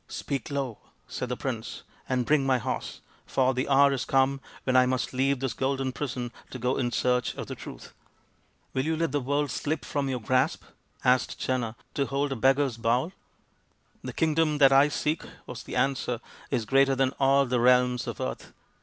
"Speak low," said the prince, "and bring my horse, for the hour is come when I must leave this golden prison to go in search of the Truth." THE PRINCE WONDERFUL 179 " Will you let the world slip from your grasp," asked Channa, " to hold a beggar's bowl ?"" The kingdom that I seek/' was the answer, " is greater than all the realms of earth.